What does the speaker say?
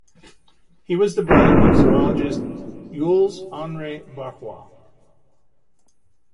He was the brother of zoologist Jules Henri Barrois.